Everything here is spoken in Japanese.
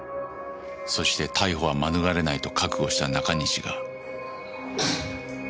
そして逮捕は免れないと覚悟した中西が。